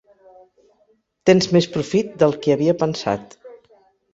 Tens més profit del que havia pensat.